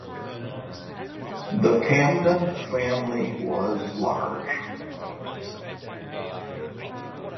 The Camden family was large.